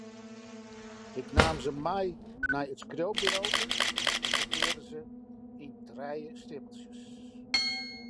Ik naam se mei nei it skriuwburoke en sortearre se yn trije steapeltsjes.